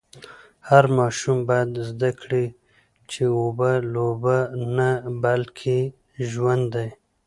هر ماشوم باید زده کړي چي اوبه لوبه نه بلکې ژوند دی.